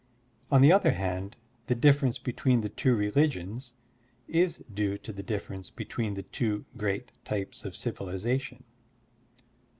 On the other hand, the difference between the two religions is due to the difference between the two great types of civilization.